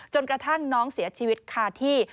จนกระทั่งน้องเสียชีวิตคาที่